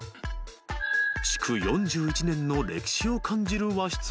［築４１年の歴史を感じる和室だが］